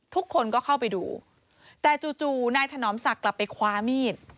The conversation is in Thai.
ทุกคนก็เข้าไปดูแต่จู่นายถนอมศักดิ์กลับไปคว้ามีด